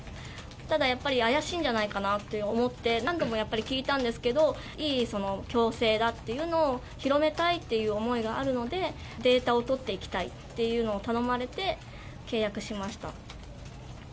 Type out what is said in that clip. ただやっぱり、怪しいんじゃないかなと思って、何度もやっぱり聞いたんですけど、いい矯正だっていうのを広めたいっていう思いがあるので、データを取っていきたいというのを頼まれて契約しました。